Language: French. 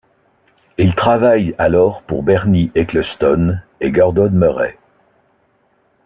Il travaille alors pour Bernie Ecclestone et Gordon Murray.